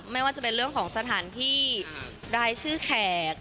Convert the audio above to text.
ไม่ว่าจะเป็นเรื่องของสถานที่รายชื่อแขก